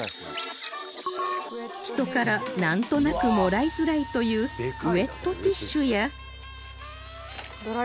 人からなんとなくもらいづらいというウエットティッシュや